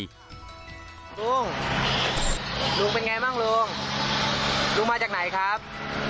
ลุงลุงเป็นไงบ้างลุงลุงมาจากไหนครับ